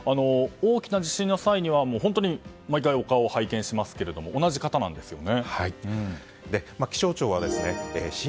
大きな地震の際には毎回お顔を拝見しますが同じ方なんですよね。